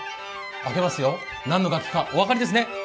開けますよ、なんの楽器かお分かりですね？